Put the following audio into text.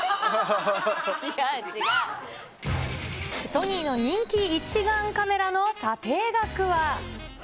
ソニーの人気一眼カメラの査定額は。